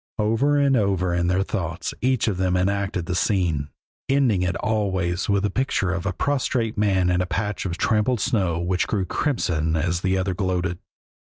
Over and over in their thoughts each of them enacted the scene, ending it always with the picture of a prostrate man in a patch of trampled snow which grew crimson as the other gloated.